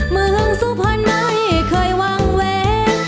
เมืองสุพรรณไม่เคยวางเวง